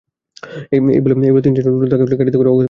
এটা বলে তিন-চারজন লোক তাঁকে গাড়িতে করে অজ্ঞাত স্থানে নিয়ে যান।